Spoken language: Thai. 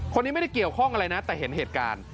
คนนี้ไม่ได้เกี่ยวข้องอะไรนะแต่เห็นเหตุการณ์